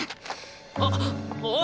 あっおい！